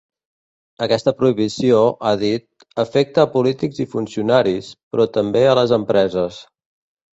Aquesta prohibició, ha dit, afecta a polítics i funcionaris, però també a les empreses.